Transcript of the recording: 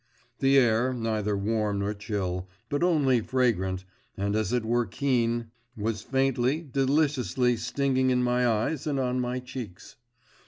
The air, neither warm nor chill, but only fragrant, and as it were keen, was faintly, deliciously stinging in my eyes and on my cheeks.